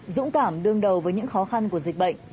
dũng cảm đương đầu với những khó khăn của dịch bệnh